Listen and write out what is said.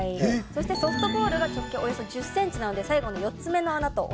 そしてソフトボールが直径およそ１０センチなので最後の４つ目の穴と同じくらいの大きさです。